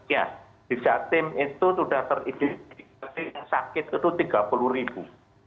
ya di jatim itu sudah terindikasi yang sakit itu tiga puluh ribu